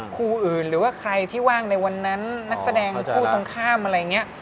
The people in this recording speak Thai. คู่อื่นหรือว่าใครที่ว่างในวันนั้นนักแสดงคู่ตรงข้ามอะไรอย่างนี้